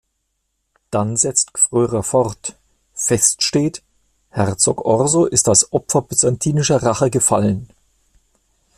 Dann setzt Gfrörer fort: „Fest steht: Herzog Orso ist als Opfer byzantinischer Rache gefallen.